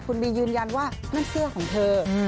คุณบียืนยันว่านั่นเสื้อของเธอ